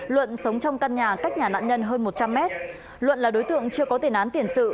luận sống trong căn nhà cách nhà nạn nhân hơn một trăm linh mét luận là đối tượng chưa có tiền án tiền sự